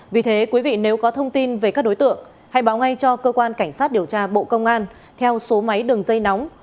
vì thế quý vị nếu có thông tin về các đối tượng hãy báo ngay cho cơ quan cảnh sát điều tra bộ công an theo số máy đường dây nóng sáu mươi chín hai trăm hai mươi chín